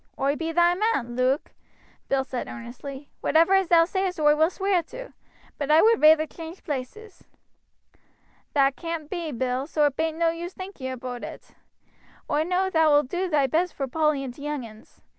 "Oi be thy man, Luke," Bill said earnestly. "Whatever as thou sayest oi will sweer to; but I would reyther change places." "That caan't be, Bill, so it bain't no use thinking aboot it. Oi know thou wilt do thy best vor Polly and t' young uns.